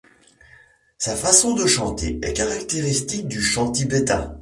Sa façon de chanter est caractéristique du chant tibétain.